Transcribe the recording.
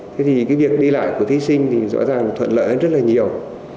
thế thì cái việc đi lại của thí sinh thì rõ ràng thuận lợi rất là nhiều